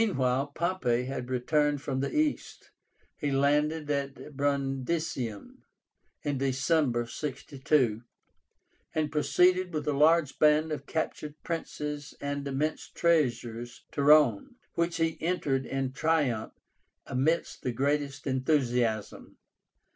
Meanwhile Pompey had returned from the East. He landed at Brundisium in December, 62, and proceeded with a large band of captured princes and immense treasures to Rome, which he entered in triumph amidst the greatest enthusiasm.